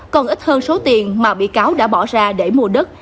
còn ít hơn số tiền mà bị cáo đã bỏ ra để mua đất